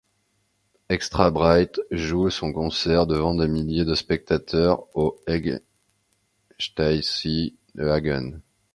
Extrabreit joue son concert le devant des milliers de spectateurs au Hengsteysee de Hagen.